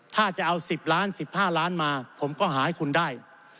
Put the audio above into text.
ถ้าจะเอา๑๐ล้าน๑๕ล้านมาผมก็หาให้คุณได้